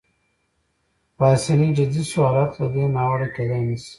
پاسیني جدي شو: حالت له دې ناوړه کېدای نه شي.